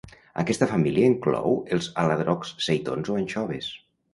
Aquesta família inclou els aladrocs, seitons o anxoves.